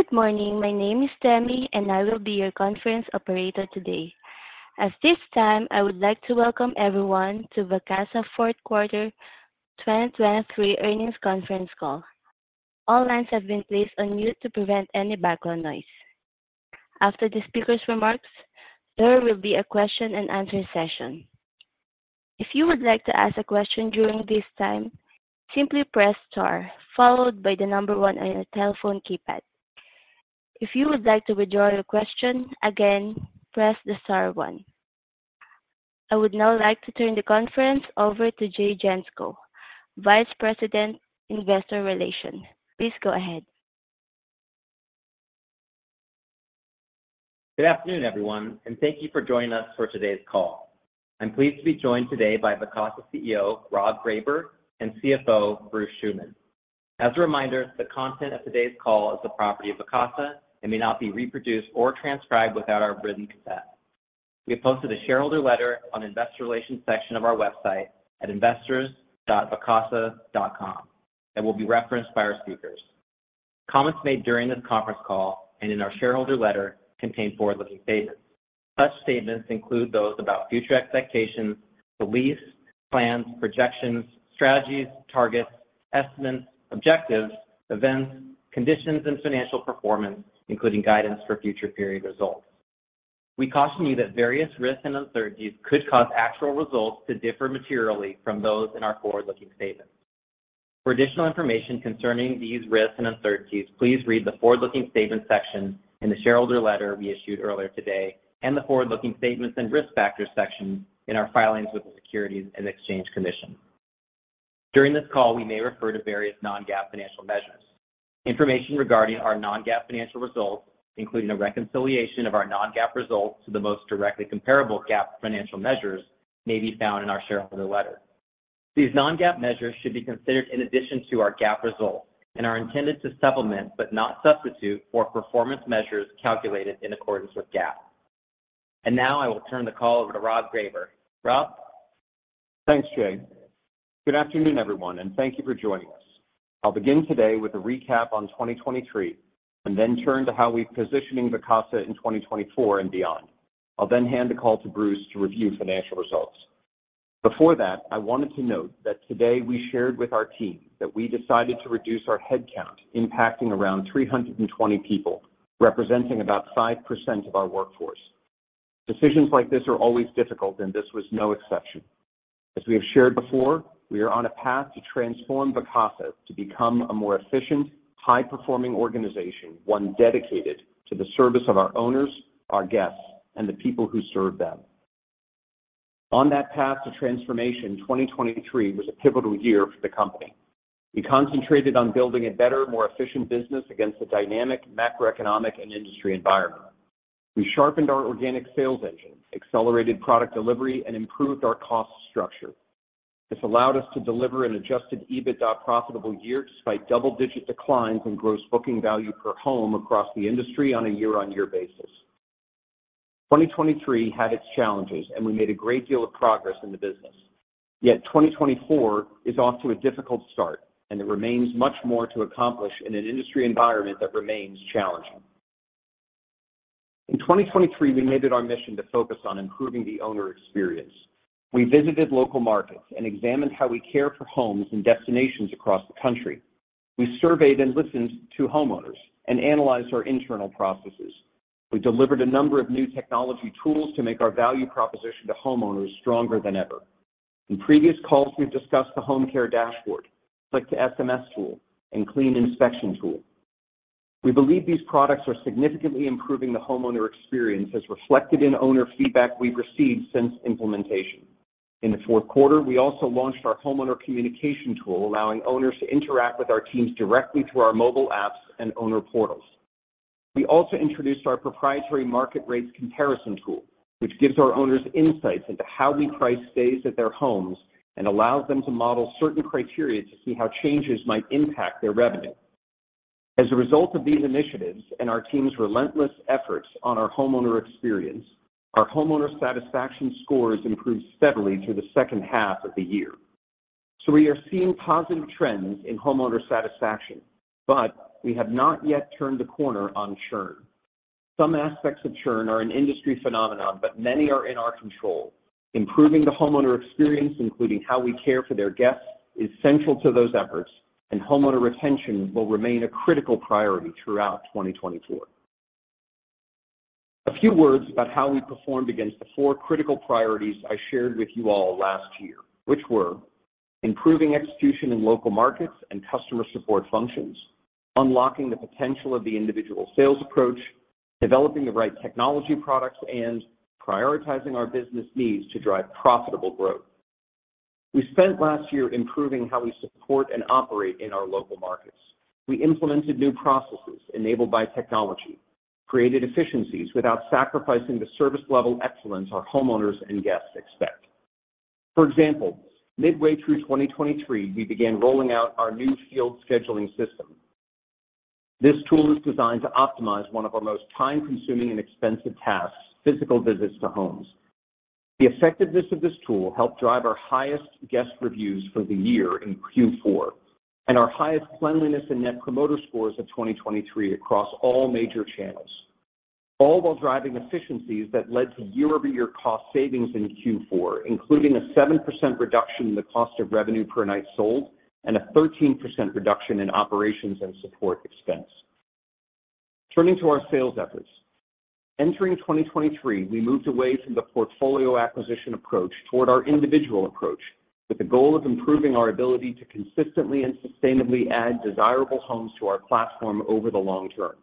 Good morning, my name is Tammy and I will be your conference operator today. At this time I would like to welcome everyone to Vacasa's Fourth Quarter 2023 earnings conference call. All lines have been placed on mute to prevent any background noise. After the speaker's remarks, there will be a question and answer session. If you would like to ask a question during this time, simply press star followed by the number one on your telephone keypad. If you would like to withdraw your question, again, press star one. I would now like to turn the conference over to Jay Gentzkow, Vice President, Investor Relations. Please go ahead. Good afternoon, everyone, and thank you for joining us for today's call. I'm pleased to be joined today by Vacasa CEO Rob Greyber and CFO Bruce Schuman. As a reminder, the content of today's call is the property of Vacasa and may not be reproduced or transcribed without our written consent. We have posted a shareholder letter on the Investor Relations section of our website at investors.vacasa.com that will be referenced by our speakers. Comments made during this conference call and in our shareholder letter contain forward-looking statements. Such statements include those about future expectations, beliefs, plans, projections, strategies, targets, estimates, objectives, events, conditions, and financial performance, including guidance for future period results. We caution you that various risks and uncertainties could cause actual results to differ materially from those in our forward-looking statements. For additional information concerning these risks and uncertainties, please read the forward-looking statements section in the shareholder letter we issued earlier today and the forward-looking statements and risk factors section in our filings with the Securities and Exchange Commission. During this call we may refer to various non-GAAP financial measures. Information regarding our non-GAAP financial results, including a reconciliation of our non-GAAP results to the most directly comparable GAAP financial measures, may be found in our shareholder letter. These non-GAAP measures should be considered in addition to our GAAP results and are intended to supplement but not substitute for performance measures calculated in accordance with GAAP. Now I will turn the call over to Rob Greyber. Rob? Thanks, Jay. Good afternoon, everyone, and thank you for joining us. I'll begin today with a recap on 2023 and then turn to how we're positioning Vacasa in 2024 and beyond. I'll then hand the call to Bruce to review financial results. Before that, I wanted to note that today we shared with our team that we decided to reduce our headcount impacting around 320 people, representing about 5% of our workforce. Decisions like this are always difficult, and this was no exception. As we have shared before, we are on a path to transform Vacasa to become a more efficient, high-performing organization, one dedicated to the service of our owners, our guests, and the people who serve them. On that path to transformation, 2023 was a pivotal year for the company. We concentrated on building a better, more efficient business against the dynamic macroeconomic and industry environment. We sharpened our organic sales engine, accelerated product delivery, and improved our cost structure. This allowed us to deliver an Adjusted EBITDA profitable year despite double-digit declines in Gross Booking Value per home across the industry on a year-on-year basis. 2023 had its challenges, and we made a great deal of progress in the business. Yet 2024 is off to a difficult start, and there remains much more to accomplish in an industry environment that remains challenging. In 2023, we made it our mission to focus on improving the owner experience. We visited local markets and examined how we care for homes and destinations across the country. We surveyed and listened to homeowners and analyzed our internal processes. We delivered a number of new technology tools to make our value proposition to homeowners stronger than ever. In previous calls we've discussed the Home Care Dashboard, Click-to-SMS tool, and Clean Inspection tool. We believe these products are significantly improving the homeowner experience as reflected in owner feedback we've received since implementation. In the fourth quarter, we also launched our Homeowner Communication tool, allowing owners to interact with our teams directly through our mobile apps and owner portals. We also introduced our proprietary Market Rate Comparison tool, which gives our owners insights into how we price stays at their homes and allows them to model certain criteria to see how changes might impact their revenue. As a result of these initiatives and our team's relentless efforts on our homeowner experience, our homeowner satisfaction scores improved steadily through the second half of the year. So we are seeing positive trends in homeowner satisfaction, but we have not yet turned the corner on churn. Some aspects of churn are an industry phenomenon, but many are in our control. Improving the homeowner experience, including how we care for their guests, is central to those efforts, and homeowner retention will remain a critical priority throughout 2024. A few words about how we performed against the four critical priorities I shared with you all last year, which were: improving execution in local markets and customer support functions, unlocking the potential of the individual sales approach, developing the right technology products, and prioritizing our business needs to drive profitable growth. We spent last year improving how we support and operate in our local markets. We implemented new processes enabled by technology, created efficiencies without sacrificing the service-level excellence our homeowners and guests expect. For example, midway through 2023, we began rolling out our new Field Scheduling system. This tool is designed to optimize one of our most time-consuming and expensive tasks, physical visits to homes. The effectiveness of this tool helped drive our highest guest reviews for the year in Q4 and our highest cleanliness and Net Promoter Scores of 2023 across all major channels, all while driving efficiencies that led to year-over-year cost savings in Q4, including a 7% reduction in the cost of revenue per night sold and a 13% reduction in operations and support expense. Turning to our sales efforts. Entering 2023, we moved away from the portfolio acquisition approach toward our individual approach with the goal of improving our ability to consistently and sustainably add desirable homes to our platform over the long term.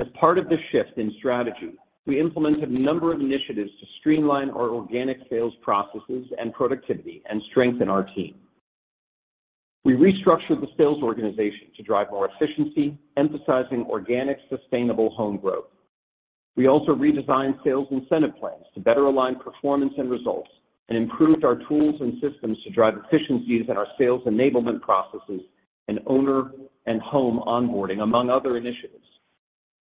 As part of this shift in strategy, we implemented a number of initiatives to streamline our organic sales processes and productivity and strengthen our team. We restructured the sales organization to drive more efficiency, emphasizing organic, sustainable home growth. We also redesigned sales incentive plans to better align performance and results and improved our tools and systems to drive efficiencies in our sales enablement processes and owner and home onboarding, among other initiatives.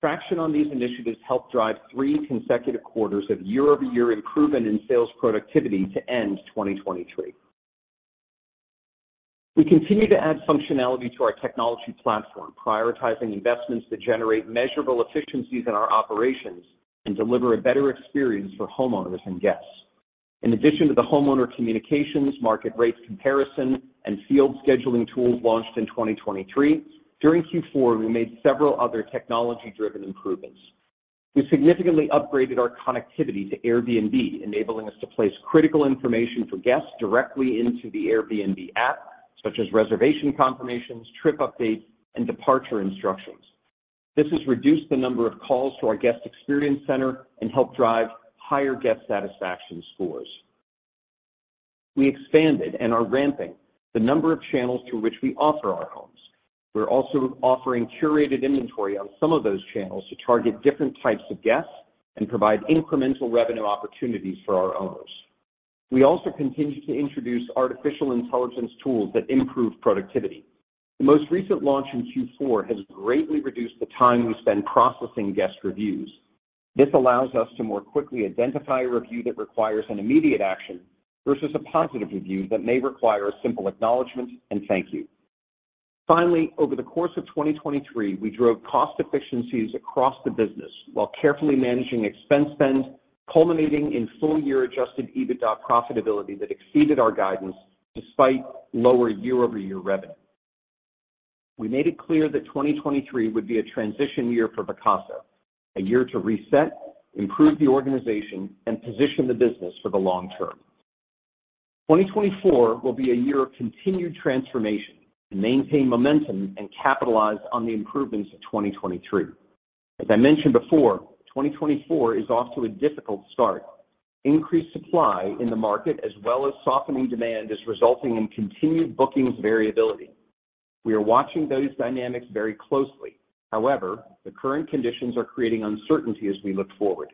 Traction on these initiatives helped drive three consecutive quarters of year-over-year improvement in sales productivity to end 2023. We continue to add functionality to our technology platform, prioritizing investments that generate measurable efficiencies in our operations and deliver a better experience for homeowners and guests. In addition to the Homeowner Communications, Market Rate Comparison, and Field Scheduling tools launched in 2023, during Q4 we made several other technology-driven improvements. We significantly upgraded our connectivity to Airbnb, enabling us to place critical information for guests directly into the Airbnb app, such as reservation confirmations, trip updates, and departure instructions. This has reduced the number of calls to our Guest Experience Center and helped drive higher guest satisfaction scores. We expanded and are ramping the number of channels through which we offer our homes. We're also offering curated inventory on some of those channels to target different types of guests and provide incremental revenue opportunities for our owners. We also continue to introduce artificial intelligence tools that improve productivity. The most recent launch in Q4 has greatly reduced the time we spend processing guest reviews. This allows us to more quickly identify a review that requires an immediate action versus a positive review that may require a simple acknowledgment and thank you. Finally, over the course of 2023, we drove cost efficiencies across the business while carefully managing expense spend, culminating in full-year Adjusted EBITDA profitability that exceeded our guidance despite lower year-over-year revenue. We made it clear that 2023 would be a transition year for Vacasa, a year to reset, improve the organization, and position the business for the long term. 2024 will be a year of continued transformation to maintain momentum and capitalize on the improvements of 2023. As I mentioned before, 2024 is off to a difficult start. Increased supply in the market as well as softening demand is resulting in continued bookings variability. We are watching those dynamics very closely. However, the current conditions are creating uncertainty as we look forward.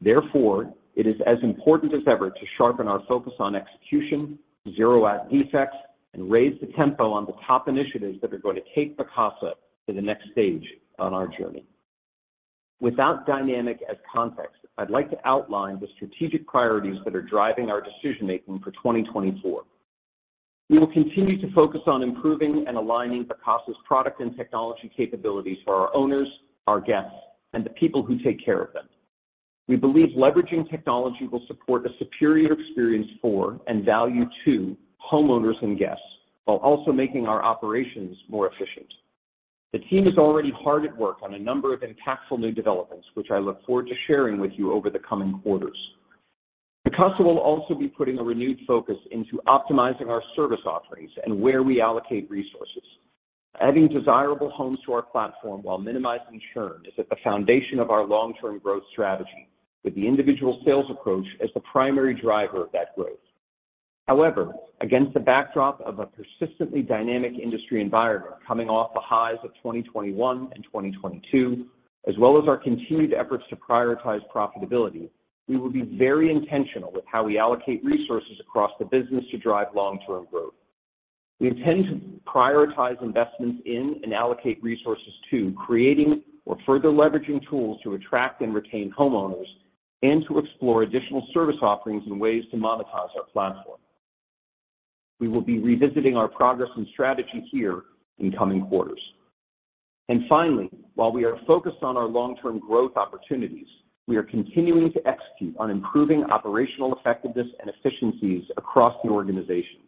Therefore, it is as important as ever to sharpen our focus on execution, zero out defects, and raise the tempo on the top initiatives that are going to take Vacasa to the next stage on our journey. With that dynamic as context, I'd like to outline the strategic priorities that are driving our decision-making for 2024. We will continue to focus on improving and aligning Vacasa's product and technology capabilities for our owners, our guests, and the people who take care of them. We believe leveraging technology will support a superior experience for and value to homeowners and guests while also making our operations more efficient. The team is already hard at work on a number of impactful new developments, which I look forward to sharing with you over the coming quarters. Vacasa will also be putting a renewed focus into optimizing our service offerings and where we allocate resources. Adding desirable homes to our platform while minimizing churn is at the foundation of our long-term growth strategy, with the individual sales approach as the primary driver of that growth. However, against the backdrop of a persistently dynamic industry environment coming off the highs of 2021 and 2022, as well as our continued efforts to prioritize profitability, we will be very intentional with how we allocate resources across the business to drive long-term growth. We intend to prioritize investments in and allocate resources to creating or further leveraging tools to attract and retain homeowners and to explore additional service offerings and ways to monetize our platform. We will be revisiting our progress and strategy here in coming quarters. Finally, while we are focused on our long-term growth opportunities, we are continuing to execute on improving operational effectiveness and efficiencies across the organization.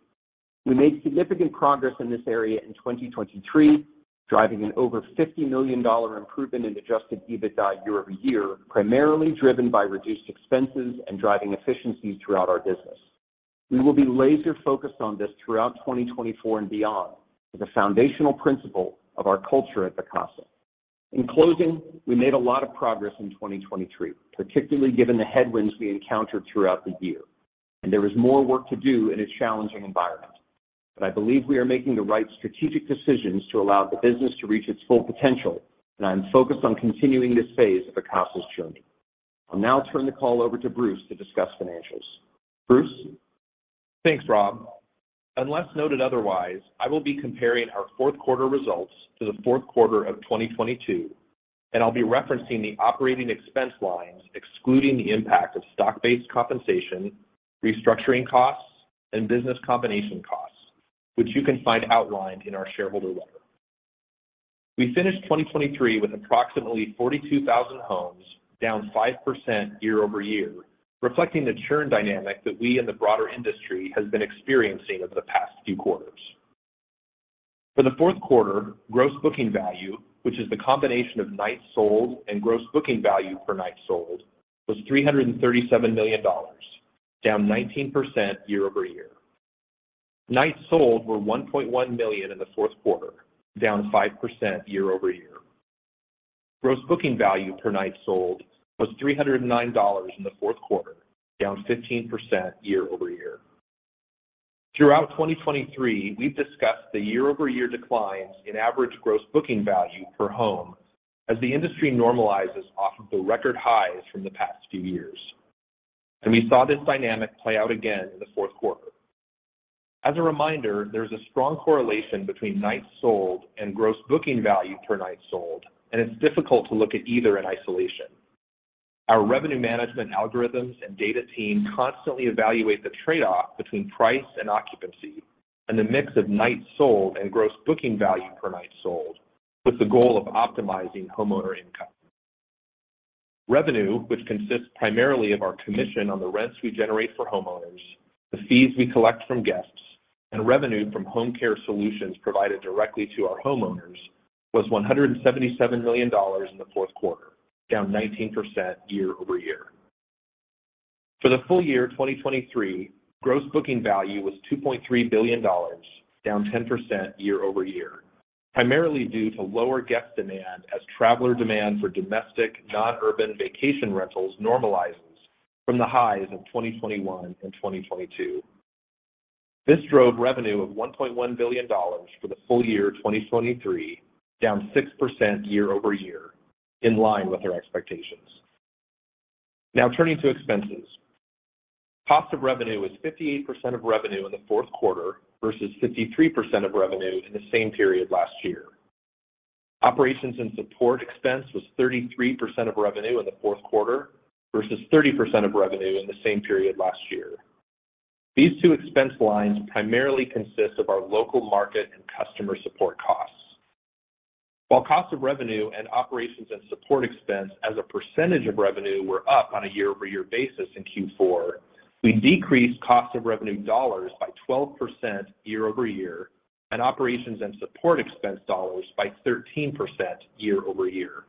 We made significant progress in this area in 2023, driving an over $50 million improvement in Adjusted EBITDA year over year, primarily driven by reduced expenses and driving efficiencies throughout our business. We will be laser-focused on this throughout 2024 and beyond as a foundational principle of our culture at Vacasa. In closing, we made a lot of progress in 2023, particularly given the headwinds we encountered throughout the year. There is more work to do in a challenging environment. I believe we are making the right strategic decisions to allow the business to reach its full potential, and I am focused on continuing this phase of Vacasa's journey. I'll now turn the call over to Bruce to discuss financials. Bruce? Thanks, Rob. Unless noted otherwise, I will be comparing our fourth quarter results to the fourth quarter of 2022, and I'll be referencing the operating expense lines excluding the impact of stock-based compensation, restructuring costs, and business combination costs, which you can find outlined in our shareholder letter. We finished 2023 with approximately 42,000 homes, down 5% year over year, reflecting the churn dynamic that we and the broader industry have been experiencing over the past few quarters. For the fourth quarter, Gross Booking Value, which is the combination of Nights Sold and Gross Booking Value per Night Sold, was $337 million, down 19% year over year. Nights Sold were 1.1 million in the fourth quarter, down 5% year over year. Gross booking Value per Night Sold was $309 in the fourth quarter, down 15% year over year. Throughout 2023, we've discussed the year-over-year declines in average Gross Booking Value per home as the industry normalizes off of the record highs from the past few years. We saw this dynamic play out again in the fourth quarter. As a reminder, there is a strong correlation between Nights Sold and Gross Booking Value per Night Sold, and it's difficult to look at either in isolation. Our Revenue Management algorithms and data team constantly evaluate the trade-off between price and occupancy and the mix of Nights Sold and Gross Booking Value per Night Sold with the goal of optimizing homeowner income. Revenue, which consists primarily of our commission on the rents we generate for homeowners, the fees we collect from guests, and revenue from home care solutions provided directly to our homeowners, was $177 million in the fourth quarter, down 19% year-over-year. For the full year 2023, Gross Booking Value was $2.3 billion, down 10% year-over-year, primarily due to lower guest demand as traveler demand for domestic, non-urban vacation rentals normalizes from the highs of 2021 and 2022. This drove revenue of $1.1 billion for the full year 2023, down 6% year-over-year, in line with our expectations. Now turning to expenses. Cost of revenue was 58% of revenue in the fourth quarter versus 53% of revenue in the same period last year. Operations and support expense was 33% of revenue in the fourth quarter versus 30% of revenue in the same period last year. These two expense lines primarily consist of our local market and customer support costs. While cost of revenue and operations and support expense as a percentage of revenue were up on a year-over-year basis in Q4, we decreased cost of revenue dollars by 12% year-over-year and operations and support expense dollars by 13% year-over-year.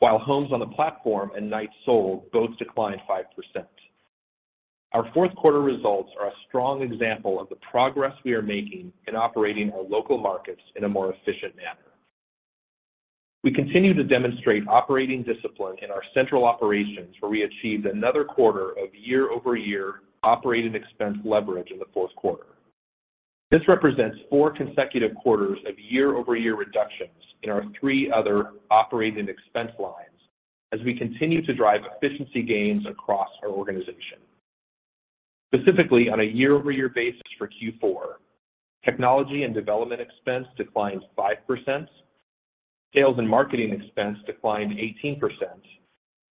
While homes on the platform and Nights Sold both declined 5%. Our fourth quarter results are a strong example of the progress we are making in operating our local markets in a more efficient manner. We continue to demonstrate operating discipline in our central operations, where we achieved another quarter of year-over-year operating expense leverage in the fourth quarter. This represents four consecutive quarters of year-over-year reductions in our three other operating expense lines as we continue to drive efficiency gains across our organization. Specifically, on a year-over-year basis for Q4, technology and development expense declined 5%, sales and marketing expense declined 18%,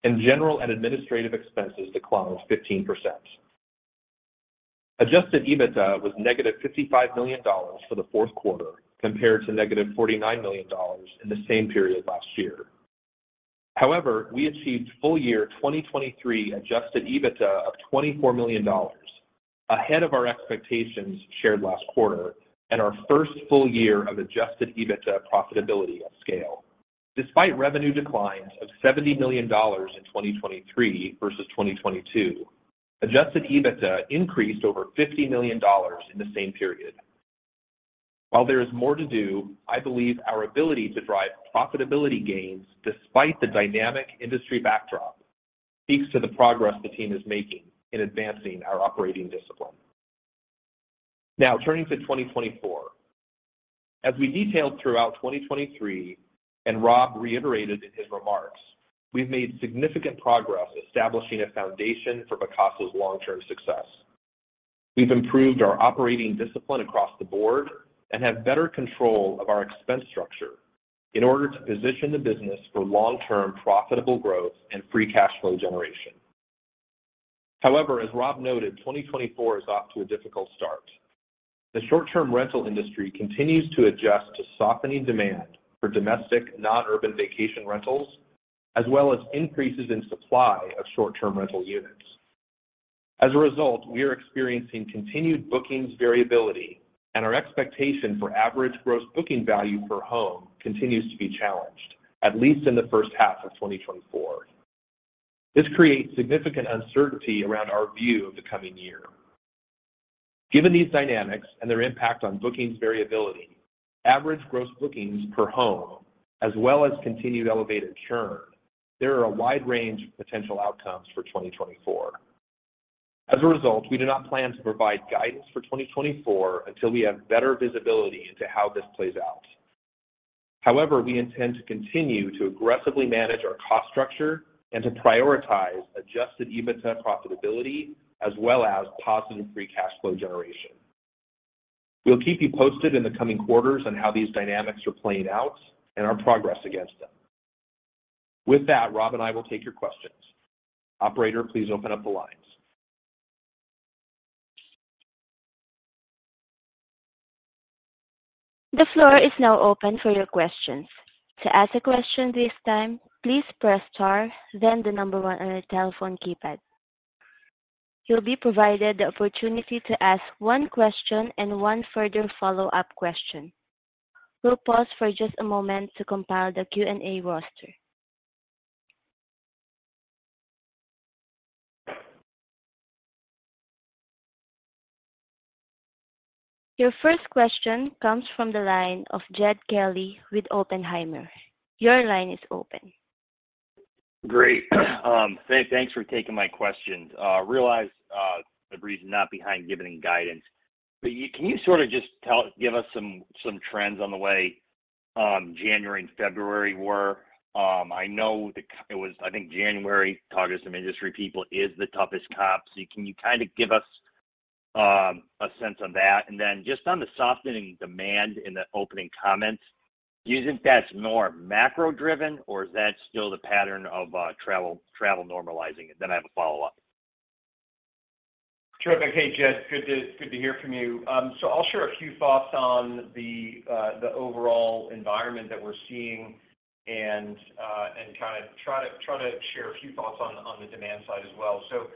and general and administrative expenses declined 15%. Adjusted EBITDA was negative $55 million for the fourth quarter compared to negative $49 million in the same period last year. However, we achieved full-year 2023 Adjusted EBITDA of $24 million, ahead of our expectations shared last quarter and our first full year of Adjusted EBITDA profitability at scale. Despite revenue declines of $70 million in 2023 versus 2022, Adjusted EBITDA increased over $50 million in the same period. While there is more to do, I believe our ability to drive profitability gains despite the dynamic industry backdrop speaks to the progress the team is making in advancing our operating discipline. Now turning to 2024. As we detailed throughout 2023 and Rob reiterated in his remarks, we've made significant progress establishing a foundation for Vacasa's long-term success. We've improved our operating discipline across the board and have better control of our expense structure in order to position the business for long-term profitable growth and free cash flow generation. However, as Rob noted, 2024 is off to a difficult start. The short-term rental industry continues to adjust to softening demand for domestic, non-urban vacation rentals as well as increases in supply of short-term rental units. As a result, we are experiencing continued bookings variability, and our expectation for average Gross Booking Value per home continues to be challenged, at least in the first half of 2024. This creates significant uncertainty around our view of the coming year. Given these dynamics and their impact on bookings variability, average gross bookings per home, as well as continued elevated churn, there are a wide range of potential outcomes for 2024. As a result, we do not plan to provide guidance for 2024 until we have better visibility into how this plays out. However, we intend to continue to aggressively manage our cost structure and to prioritize Adjusted EBITDA profitability as well as positive free cash flow generation. We'll keep you posted in the coming quarters on how these dynamics are playing out and our progress against them. With that, Rob and I will take your questions. Operator, please open up the lines. The floor is now open for your questions. To ask a question this time, please press star, then the number one on your telephone keypad. You'll be provided the opportunity to ask one question and one further follow-up question. We'll pause for just a moment to compile the Q&A roster. Your first question comes from the line of Jed Kelly with Oppenheimer. Your line is open. Great. Thanks for taking my questions. I realize the reason behind not giving guidance. But can you sort of just give us some trends on how January and February were? I know it was, I think, January, talking to some industry people is the toughest comp. So can you kind of give us a sense on that? And then just on the softening demand in the opening comments, do you think that's more macro-driven, or is that still the pattern of travel normalizing? And then I have a follow-up. Terrific. Hey, Jed. Good to hear from you. So I'll share a few thoughts on the overall environment that we're seeing and kind of try to share a few thoughts on the demand side as well. So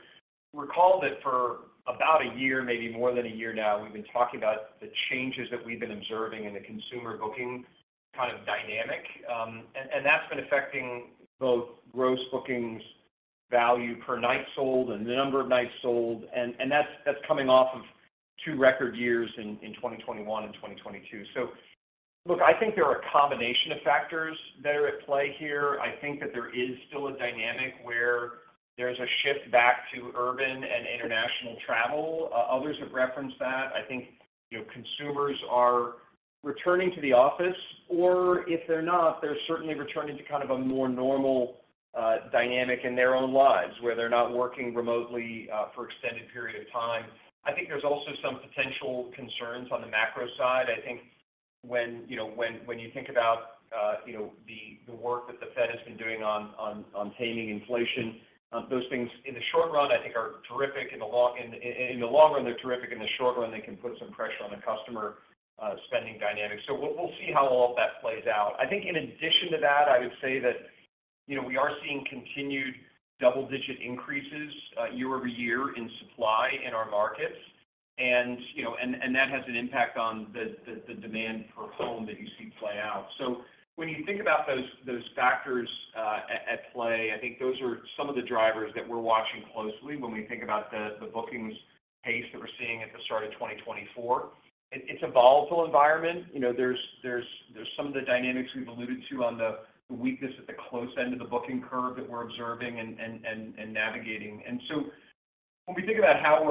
recall that for about a year, maybe more than a year now, we've been talking about the changes that we've been observing in the consumer booking kind of dynamic. That's been affecting both Gross Booking Value per Night Sold and the number of Nights Sold. That's coming off of two record years in 2021 and 2022. So look, I think there are a combination of factors that are at play here. I think that there is still a dynamic where there's a shift back to urban and international travel. Others have referenced that. I think consumers are returning to the office. Or if they're not, they're certainly returning to kind of a more normal dynamic in their own lives, where they're not working remotely for an extended period of time. I think there's also some potential concerns on the macro side. I think when you think about the work that the Fed has been doing on taming inflation, those things, in the short run, I think are terrific. In the long run, they're terrific. In the short run, they can put some pressure on the customer spending dynamic. So we'll see how all of that plays out. I think in addition to that, I would say that we are seeing continued double-digit increases year-over-year in supply in our markets. And that has an impact on the demand per home that you see play out. When you think about those factors at play, I think those are some of the drivers that we're watching closely when we think about the bookings pace that we're seeing at the start of 2024. It's a volatile environment. There's some of the dynamics we've alluded to on the weakness at the close end of the booking curve that we're observing and navigating. And so when we think about how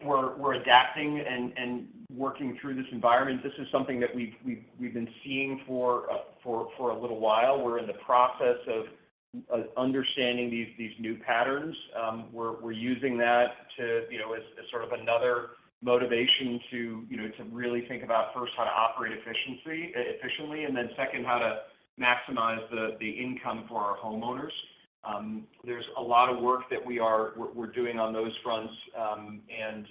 we're adapting and working through this environment, this is something that we've been seeing for a little while. We're in the process of understanding these new patterns. We're using that as sort of another motivation to really think about, first, how to operate efficiently, and then second, how to maximize the income for our homeowners. There's a lot of work that we're doing on those fronts. And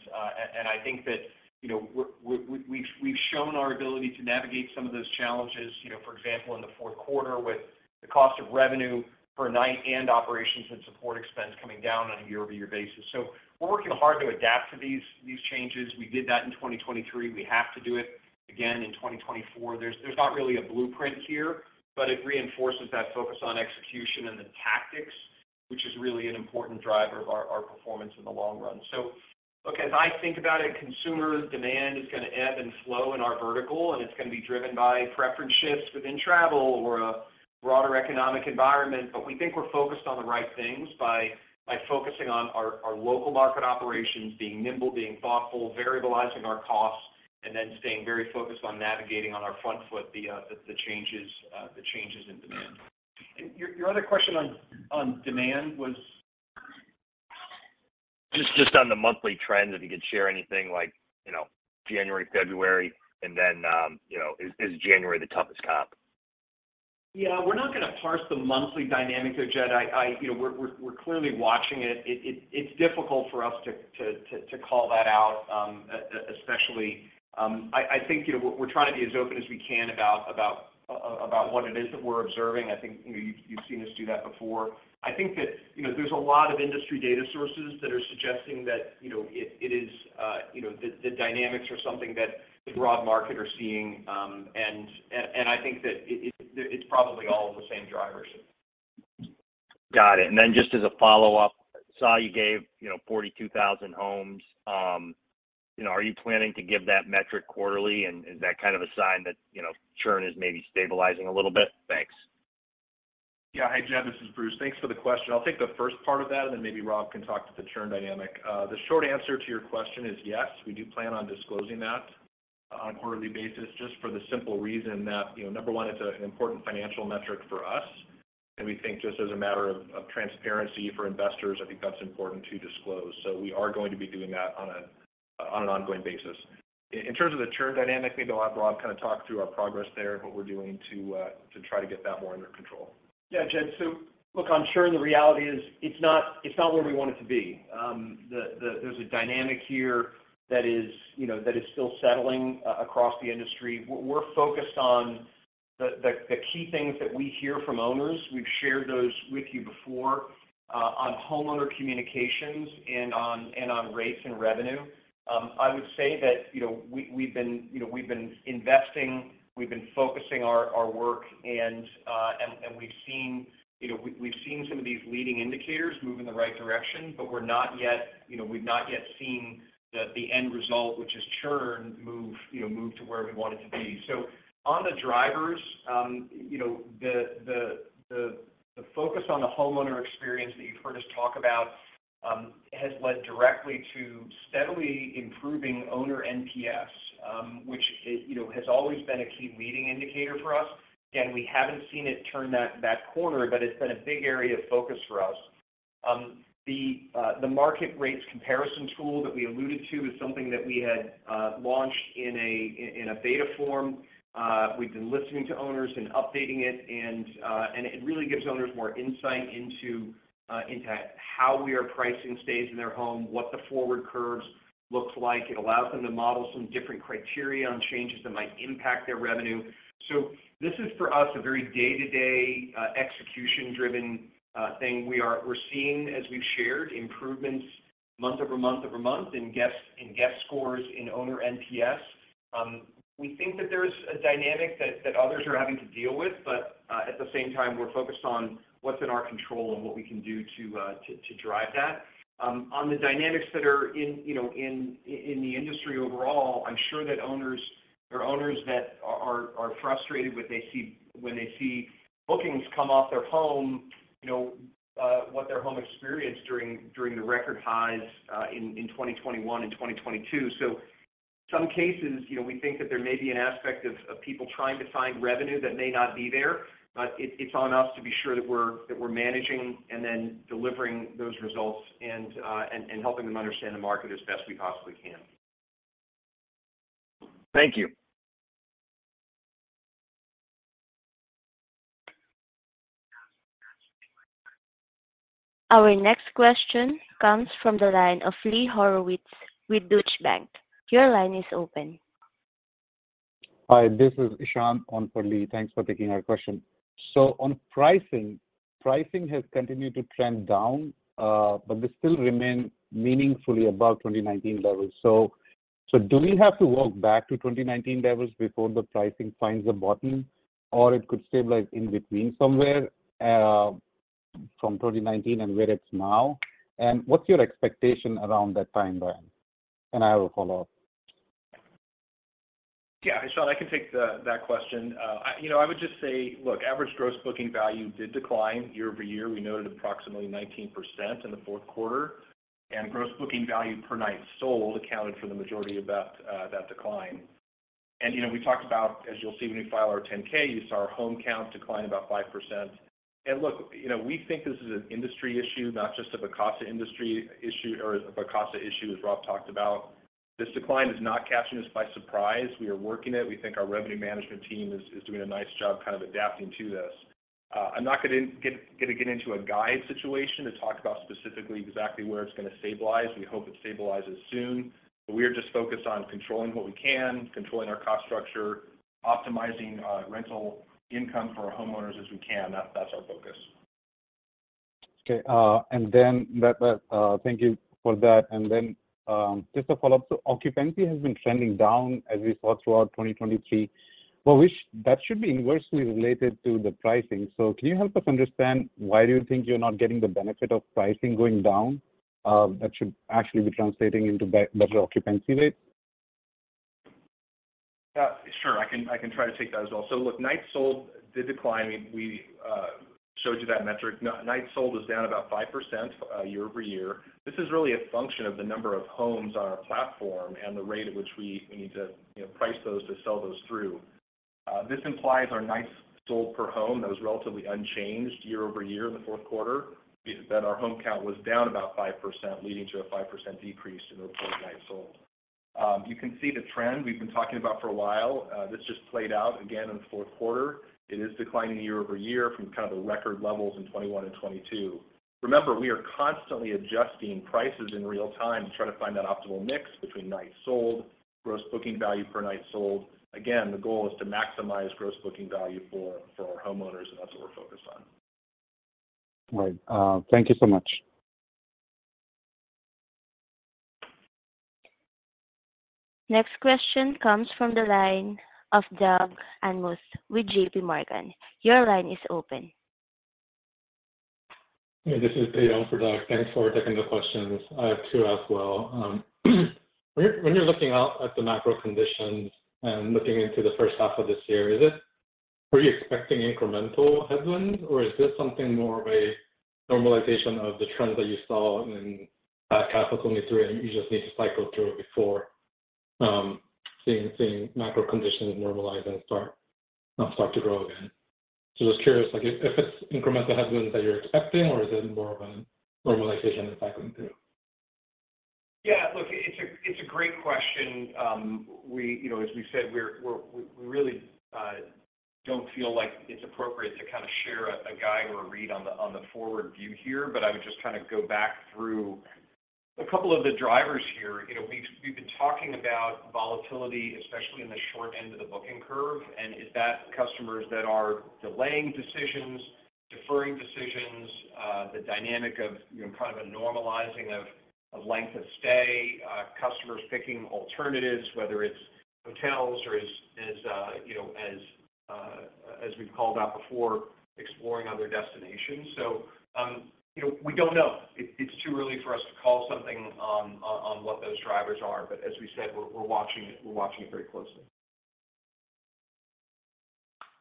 I think that we've shown our ability to navigate some of those challenges, for example, in the fourth quarter with the cost of revenue per night and operations and support expense coming down on a year-over-year basis. So we're working hard to adapt to these changes. We did that in 2023. We have to do it again in 2024. There's not really a blueprint here, but it reinforces that focus on execution and the tactics, which is really an important driver of our performance in the long run. So look, as I think about it, consumer demand is going to ebb and flow in our vertical, and it's going to be driven by preference shifts within travel or a broader economic environment. But we think we're focused on the right things by focusing on our local market operations being nimble, being thoughtful, variabilizing our costs, and then staying very focused on navigating on our front foot the changes in demand. And your other question on demand was. Just on the monthly trends, if you could share anything like January, February, and then is January the toughest comp? Yeah. We're not going to parse the monthly dynamic there, Jed. We're clearly watching it. It's difficult for us to call that out, especially. I think we're trying to be as open as we can about what it is that we're observing. I think you've seen us do that before. I think that there's a lot of industry data sources that are suggesting that it is the dynamics are something that the broad market are seeing. And I think that it's probably all of the same drivers. Got it. And then just as a follow-up, I saw you gave 42,000 homes. Are you planning to give that metric quarterly, and is that kind of a sign that churn is maybe stabilizing a little bit? Thanks. Yeah. Hey, Jed. This is Bruce. Thanks for the question. I'll take the first part of that, and then maybe Rob can talk to the churn dynamic. The short answer to your question is yes. We do plan on disclosing that on a quarterly basis just for the simple reason that, number one, it's an important financial metric for us. And we think just as a matter of transparency for investors, I think that's important to disclose. So we are going to be doing that on an ongoing basis. In terms of the churn dynamic, maybe I'll have Rob kind of talk through our progress there, what we're doing to try to get that more under control. Yeah, Jed. So look, on churn, the reality is it's not where we want it to be. There's a dynamic here that is still settling across the industry. We're focused on the key things that we hear from owners. We've shared those with you before on homeowner communications and on rates and revenue. I would say that we've been investing. We've been focusing our work, and we've seen some of these leading indicators move in the right direction. But we've not yet seen the end result, which is churn, move to where we want it to be. So on the drivers, the focus on the homeowner experience that you've heard us talk about has led directly to steadily improving owner NPS, which has always been a key leading indicator for us. Again, we haven't seen it turn that corner, but it's been a big area of focus for us. The Market Rates Comparison tool that we alluded to is something that we had launched in a beta form. We've been listening to owners and updating it. And it really gives owners more insight into how we are pricing stays in their home, what the forward curves look like. It allows them to model some different criteria on changes that might impact their revenue. So this is for us a very day-to-day execution-driven thing. We're seeing, as we've shared, improvements month-over-month in guest scores in owner NPS. We think that there's a dynamic that others are having to deal with. But at the same time, we're focused on what's in our control and what we can do to drive that. On the dynamics that are in the industry overall, I'm sure that owners are owners that are frustrated when they see bookings come off their home, what their home experienced during the record highs in 2021 and 2022. So in some cases, we think that there may be an aspect of people trying to find revenue that may not be there. But it's on us to be sure that we're managing and then delivering those results and helping them understand the market as best we possibly can. Thank you. Our next question comes from the line of Lee Horowitz with Deutsche Bank. Your line is open. Hi. This is Ishan on for Lee. Thanks for taking our question. So on pricing, pricing has continued to trend down, but it still remains meaningfully above 2019 levels. So do we have to walk back to 2019 levels before the pricing finds a bottom, or it could stabilize in between somewhere from 2019 and where it's now? And what's your expectation around that timeline? And I have a follow-up. Yeah. Ishan, I can take that question. I would just say, look, average gross booking value did decline year-over-year. We noted approximately 19% in the fourth quarter. And gross booking value per night sold accounted for the majority of that decline. And we talked about, as you'll see when you file our 10-K, you saw our home count decline about 5%. And look, we think this is an industry issue, not just a Vacasa industry issue or a Vacasa issue, as Rob talked about. This decline is not catching us by surprise. We are working it. We think our revenue management team is doing a nice job kind of adapting to this. I'm not going to get into a guide situation to talk about specifically exactly where it's going to stabilize. We hope it stabilizes soon. We are just focused on controlling what we can, controlling our cost structure, optimizing rental income for our homeowners as we can. That's our focus. Okay. Thank you for that. Just a follow-up. Occupancy has been trending down, as we saw throughout 2023. Well, that should be inversely related to the pricing. Can you help us understand why do you think you're not getting the benefit of pricing going down that should actually be translating into better occupancy rates? Yeah. Sure. I can try to take that as well. So look, Nights Sold did decline. We showed you that metric. Nights Sold was down about 5% year over year. This is really a function of the number of homes on our platform and the rate at which we need to price those to sell those through. This implies our Nights Sold per home that was relatively unchanged year over year in the fourth quarter, that our home count was down about 5%, leading to a 5% decrease in reported Nights Sold. You can see the trend we've been talking about for a while. This just played out again in the fourth quarter. It is declining year over year from kind of the record levels in 2021 and 2022. Remember, we are constantly adjusting prices in real time to try to find that optimal mix between Nights Sold, gross booking value per night sold. Again, the goal is to maximize gross booking value for our homeowners, and that's what we're focused on. Right. Thank you so much. Next question comes from the line of Doug Anmuth with JPMorgan. Your line is open. Hey. This is Dae on for Doug. Thanks for taking the questions. I have two as well. When you're looking out at the macro conditions and looking into the first half of this year, are you expecting incremental headwinds, or is this something more of a normalization of the trends that you saw in half of 2023 and you just need to cycle through before seeing macro conditions normalize and start to grow again? So just curious, if it's incremental headwinds that you're expecting, or is it more of a normalization and cycling through? Yeah. Look, it's a great question. As we said, we really don't feel like it's appropriate to kind of share a guide or a read on the forward view here. But I would just kind of go back through a couple of the drivers here. We've been talking about volatility, especially in the short end of the booking curve. And is that customers that are delaying decisions, deferring decisions, the dynamic of kind of a normalizing of length of stay, customers picking alternatives, whether it's hotels or, as we've called out before, exploring other destinations? So we don't know. It's too early for us to call something on what those drivers are. But as we said, we're watching it very closely.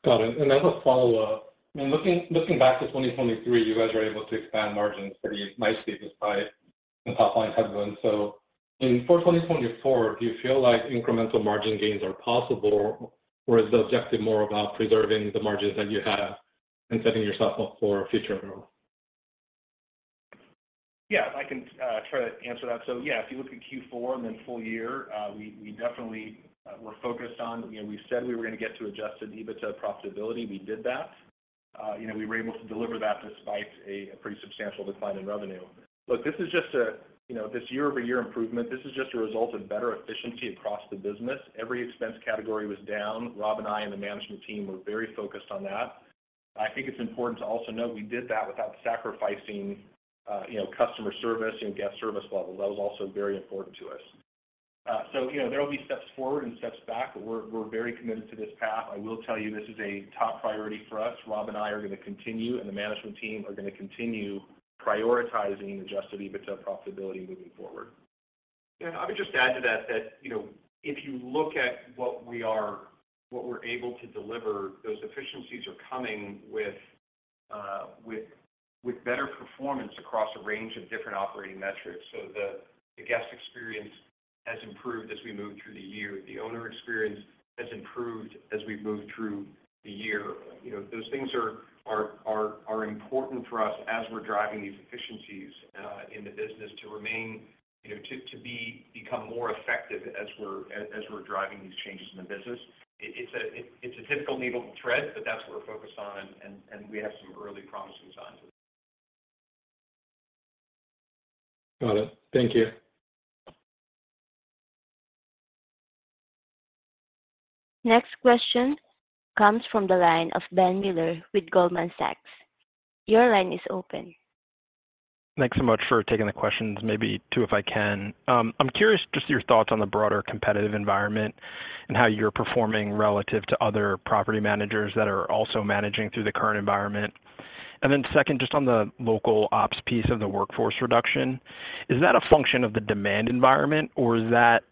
Got it. As a follow-up, I mean, looking back to 2023, you guys were able to expand margins pretty nicely despite the top-line headwinds. In for 2024, do you feel like incremental margin gains are possible, or is the objective more about preserving the margins that you have and setting yourself up for future growth? Yeah. I can try to answer that. So yeah, if you look at Q4 and then full year, we definitely were focused on we said we were going to get to Adjusted EBITDA profitability. We did that. We were able to deliver that despite a pretty substantial decline in revenue. Look, this is just a this year-over-year improvement, this is just a result of better efficiency across the business. Every expense category was down. Rob and I and the management team were very focused on that. I think it's important to also note we did that without sacrificing customer service and guest service levels. That was also very important to us. So there will be steps forward and steps back, but we're very committed to this path. I will tell you, this is a top priority for us. Rob and I are going to continue, and the management team are going to continue prioritizing Adjusted EBITDA profitability moving forward. Yeah. And I would just add to that that if you look at what we're able to deliver, those efficiencies are coming with better performance across a range of different operating metrics. So the guest experience has improved as we move through the year. The owner experience has improved as we've moved through the year. Those things are important for us as we're driving these efficiencies in the business to remain, to become more effective as we're driving these changes in the business. It's a difficult, needle thread, but that's what we're focused on, and we have some early promising signs of it. Got it. Thank you. Next question comes from the line of Ben Miller with Goldman Sachs. Your line is open. Thanks so much for taking the questions. Maybe two, if I can. I'm curious just your thoughts on the broader competitive environment and how you're performing relative to other property managers that are also managing through the current environment. And then second, just on the local ops piece of the workforce reduction, is that a function of the demand environment, or is that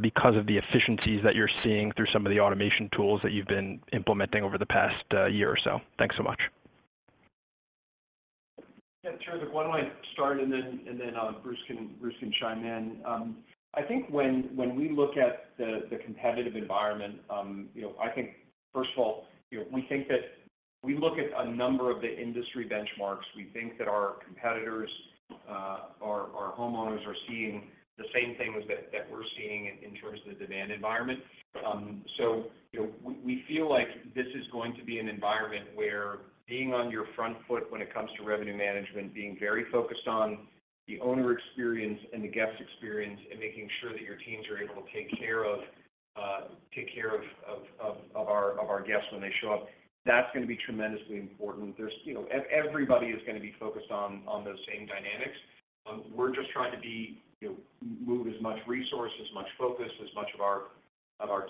because of the efficiencies that you're seeing through some of the automation tools that you've been implementing over the past year or so? Thanks so much. Yeah. Sure. Look, why don't I start, and then Bruce can chime in. I think when we look at the competitive environment, I think, first of all, we think that we look at a number of the industry benchmarks. We think that our competitors, our homeowners, are seeing the same things that we're seeing in terms of the demand environment. So we feel like this is going to be an environment where being on your front foot when it comes to revenue management, being very focused on the owner experience and the guest experience, and making sure that your teams are able to take care of our guests when they show up, that's going to be tremendously important. Everybody is going to be focused on those same dynamics. We're just trying to move as much resource, as much focus, as much of our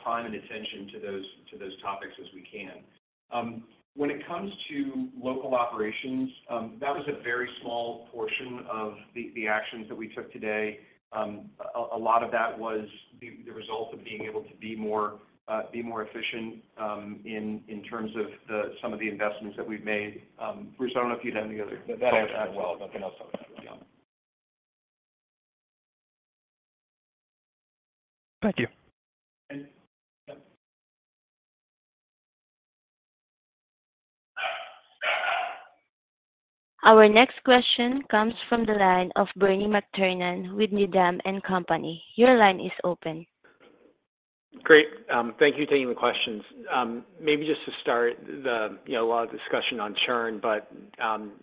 time and attention to those topics as we can. When it comes to local operations, that was a very small portion of the actions that we took today. A lot of that was the result of being able to be more efficient in terms of some of the investments that we've made. Bruce, I don't know if you had any other. That answered it well. Nothing else on that. Yeah. Thank you. Our next question comes from the line of Bernie McTernan with Needham & Company. Your line is open. Great. Thank you for taking the questions. Maybe just to start, a lot of discussion on churn, but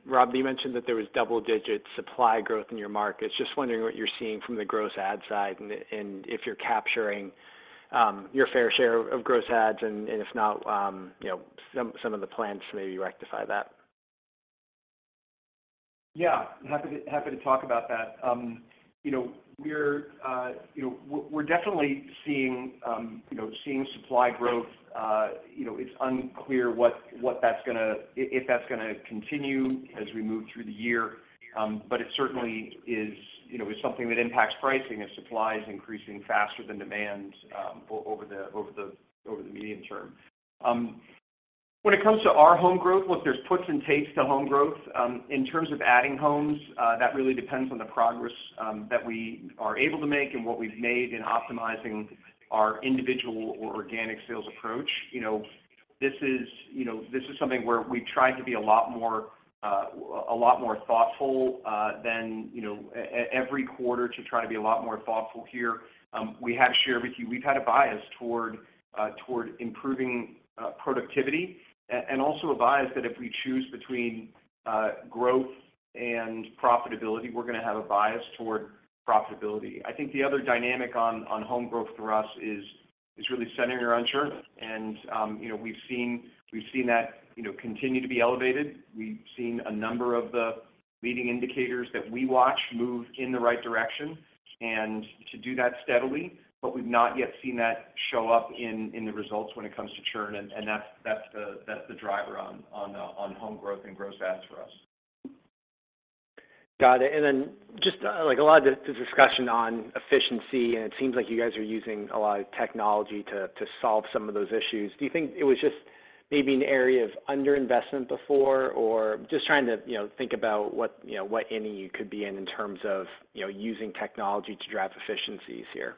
Rob, you mentioned that there was double-digit supply growth in your market. Just wondering what you're seeing from the gross add side and if you're capturing your fair share of gross adds, and if not, some of the plans to maybe rectify that. Yeah. Happy to talk about that. We're definitely seeing supply growth. It's unclear if that's going to continue as we move through the year, but it certainly is something that impacts pricing as supply is increasing faster than demand over the medium term. When it comes to our home growth, look, there's puts and takes to home growth. In terms of adding homes, that really depends on the progress that we are able to make and what we've made in optimizing our individual or organic sales approach. This is something where we've tried to be a lot more thoughtful than every quarter to try to be a lot more thoughtful here. We have shared with you, we've had a bias toward improving productivity and also a bias that if we choose between growth and profitability, we're going to have a bias toward profitability. I think the other dynamic on home growth for us is really centering around churn, and we've seen that continue to be elevated. We've seen a number of the leading indicators that we watch move in the right direction and to do that steadily, but we've not yet seen that show up in the results when it comes to churn, and that's the driver on home growth and gross ads for us. Got it. And then just a lot of the discussion on efficiency, and it seems like you guys are using a lot of technology to solve some of those issues. Do you think it was just maybe an area of underinvestment before, or just trying to think about what, if any, you could be in in terms of using technology to drive efficiencies here?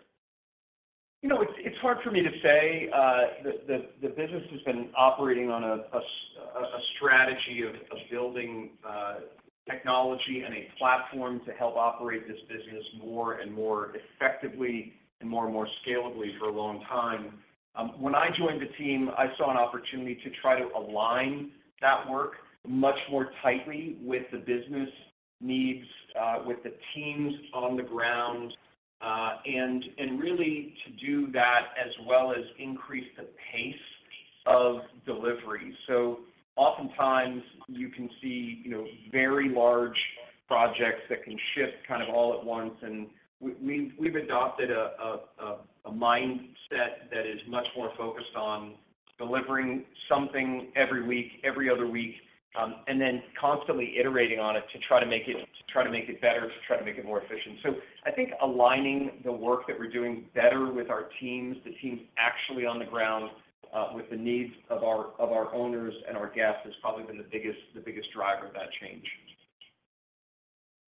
It's hard for me to say. The business has been operating on a strategy of building technology and a platform to help operate this business more and more effectively and more and more scalably for a long time. When I joined the team, I saw an opportunity to try to align that work much more tightly with the business needs, with the teams on the ground, and really to do that as well as increase the pace of delivery. So oftentimes, you can see very large projects that can shift kind of all at once, and we've adopted a mindset that is much more focused on delivering something every week, every other week, and then constantly iterating on it to try to make it to try to make it better, to try to make it more efficient. I think aligning the work that we're doing better with our teams, the teams actually on the ground, with the needs of our owners and our guests has probably been the biggest driver of that change.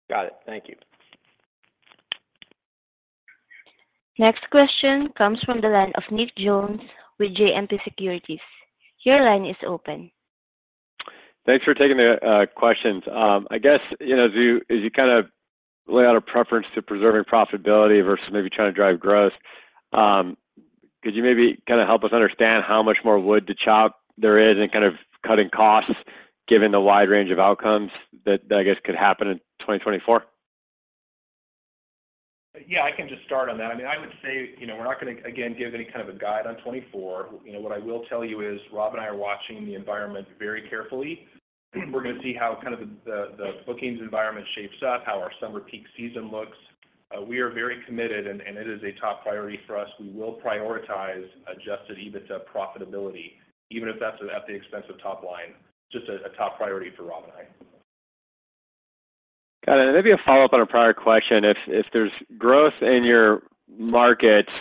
Got it. Thank you. Next question comes from the line of Nick Jones with JMP Securities. Your line is open. Thanks for taking the questions. I guess, as you kind of lay out a preference to preserving profitability versus maybe trying to drive growth, could you maybe kind of help us understand how much more wood to chop there is in kind of cutting costs given the wide range of outcomes that, I guess, could happen in 2024? Yeah. I can just start on that. I mean, I would say we're not going to, again, give any kind of a guide on 2024. What I will tell you is Rob and I are watching the environment very carefully. We're going to see how kind of the bookings environment shapes up, how our summer peak season looks. We are very committed, and it is a top priority for us. We will prioritize Adjusted EBITDA profitability, even if that's at the expense of top line, just a top priority for Rob and I. Got it. Maybe a follow-up on a prior question. If there's growth in your markets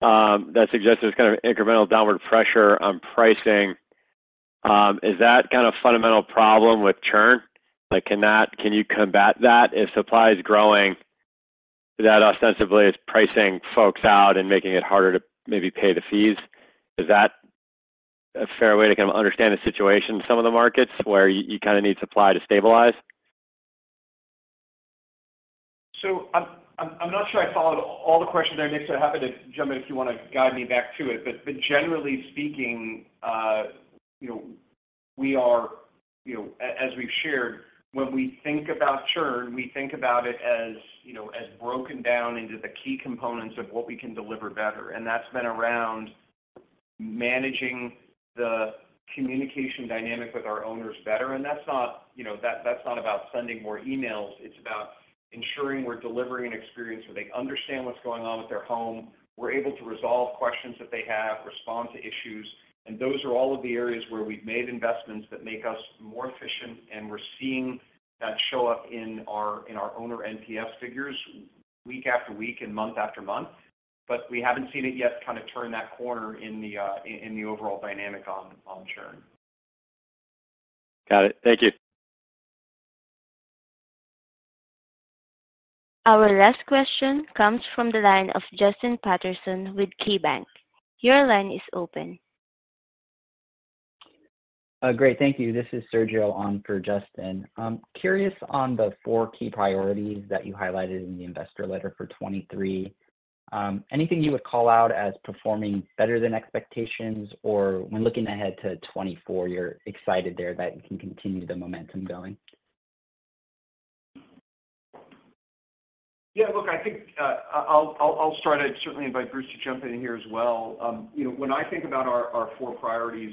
that suggests there's kind of incremental downward pressure on pricing, is that kind of a fundamental problem with churn? Can you combat that if supply is growing that ostensibly is pricing folks out and making it harder to maybe pay the fees? Is that a fair way to kind of understand the situation in some of the markets where you kind of need supply to stabilize? I'm not sure I followed all the questions there, Nick, so I happen to jump in if you want to guide me back to it. But generally speaking, we are, as we've shared, when we think about churn, we think about it as broken down into the key components of what we can deliver better. And that's been around managing the communication dynamic with our owners better. And that's not about sending more emails. It's about ensuring we're delivering an experience where they understand what's going on with their home, we're able to resolve questions that they have, respond to issues. And those are all of the areas where we've made investments that make us more efficient, and we're seeing that show up in our owner NPS figures week after week and month after month. But we haven't seen it yet kind of turn that corner in the overall dynamic on churn. Got it. Thank you. Our last question comes from the line of Justin Patterson with KeyBanc. Your line is open. Great. Thank you. This is Sergio on for Justin. Curious on the four key priorities that you highlighted in the investor letter for 2023, anything you would call out as performing better than expectations, or when looking ahead to 2024, you're excited there that you can continue the momentum going? Yeah. Look, I think I'll start it. Certainly, invite Bruce to jump in here as well. When I think about our four priorities,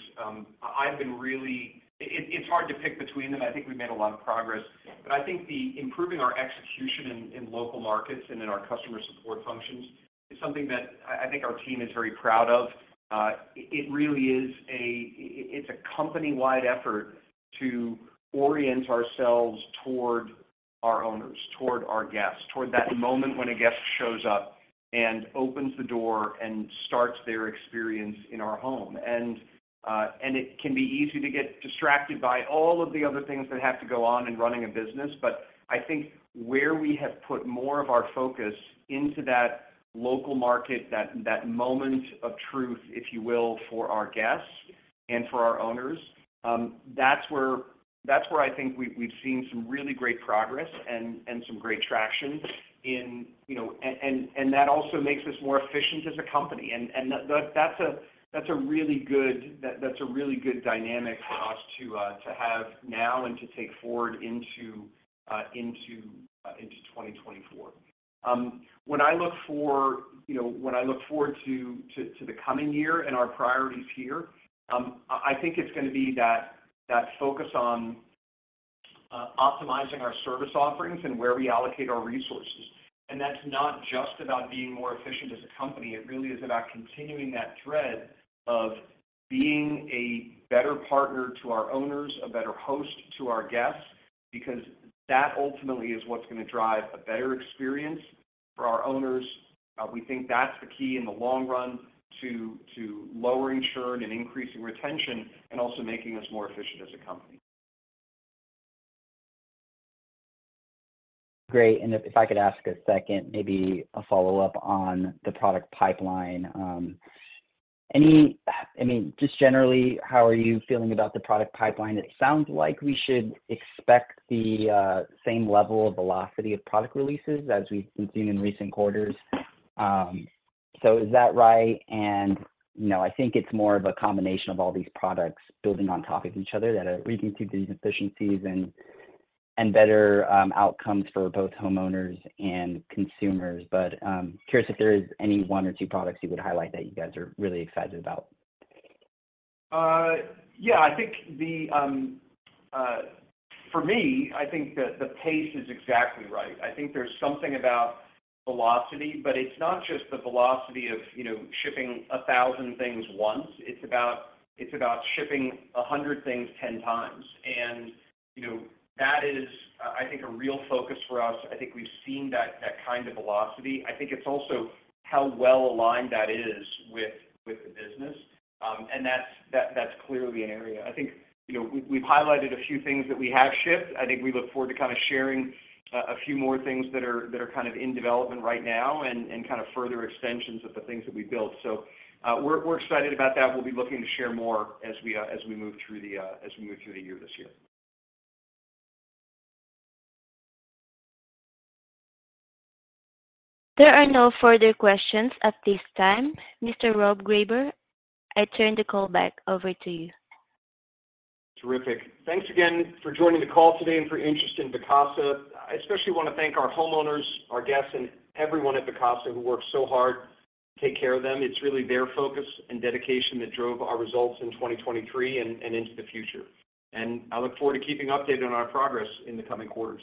I've been really, it's hard to pick between them. I think we've made a lot of progress. But I think improving our execution in local markets and in our customer support functions is something that I think our team is very proud of. It really is a, it's a company-wide effort to orient ourselves toward our owners, toward our guests, toward that moment when a guest shows up and opens the door and starts their experience in our home. It can be easy to get distracted by all of the other things that have to go on in running a business, but I think where we have put more of our focus into that local market, that moment of truth, if you will, for our guests and for our owners, that's where I think we've seen some really great progress and some great traction. That also makes us more efficient as a company. That's a really good dynamic for us to have now and to take forward into 2024. When I look forward to the coming year and our priorities here, I think it's going to be that focus on optimizing our service offerings and where we allocate our resources. That's not just about being more efficient as a company. It really is about continuing that thread of being a better partner to our owners, a better host to our guests, because that ultimately is what's going to drive a better experience for our owners. We think that's the key in the long run to lowering churn and increasing retention and also making us more efficient as a company. Great. And if I could ask a second, maybe a follow-up on the product pipeline. I mean, just generally, how are you feeling about the product pipeline? It sounds like we should expect the same level of velocity of product releases as we've been seeing in recent quarters. So is that right? And I think it's more of a combination of all these products building on top of each other that are leading to these efficiencies and better outcomes for both homeowners and consumers. But curious if there is any one or two products you would highlight that you guys are really excited about. Yeah. For me, I think that the pace is exactly right. I think there's something about velocity, but it's not just the velocity of shipping 1,000 things once. It's about shipping 100 things 10 times. And that is, I think, a real focus for us. I think we've seen that kind of velocity. I think it's also how well aligned that is with the business. And that's clearly an area. I think we've highlighted a few things that we have shipped. I think we look forward to kind of sharing a few more things that are kind of in development right now and kind of further extensions of the things that we built. So we're excited about that. We'll be looking to share more as we move through the year this year. There are no further questions at this time. Mr. Rob Greyber, I turn the call back over to you. Terrific. Thanks again for joining the call today and for interest in Vacasa. I especially want to thank our homeowners, our guests, and everyone at Vacasa who worked so hard to take care of them. It's really their focus and dedication that drove our results in 2023 and into the future. I look forward to keeping updated on our progress in the coming quarters.